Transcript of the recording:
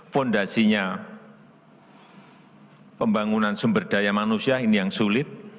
fondasinya pembangunan sumber daya manusia ini yang sulit